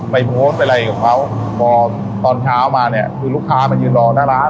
ไม่โม้เป็นไรกับเขาบอกตอนเช้ามาเนี้ยคือลูกค้ามันยืนรอหน้าร้าน